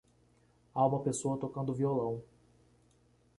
Há uma pessoa tocando violão.